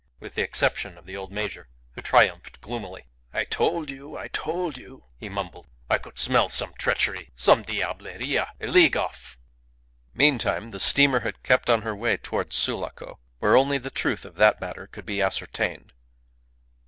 with the exception of the old major, who triumphed gloomily. "I told you; I told you," he mumbled. "I could smell some treachery, some diableria a league off." Meantime, the steamer had kept on her way towards Sulaco, where only the truth of that matter could be ascertained.